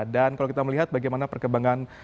dan kalau kita melihat bagaimana perkembangan